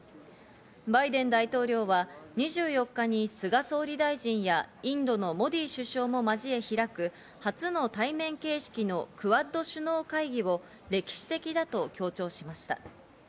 バイデン大統領は２４日に菅総理大臣やインドのモディ首相も交え開く、初の対面形式のクアッド首脳会議を歴史的だと強調しました。